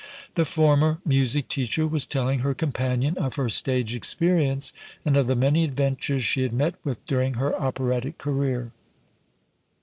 The former music teacher was telling her companion of her stage experience and of the many adventures she had met with during her operatic career.